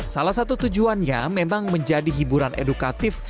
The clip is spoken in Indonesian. salah satu tujuannya memang menjadi hiburan edukatif